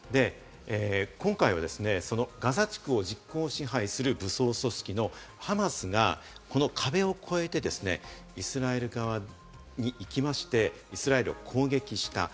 今回はそのガザ地区を実効支配する武装組織のハマスがこの壁を越えて、イスラエル側に行きまして、イスラエルを攻撃した。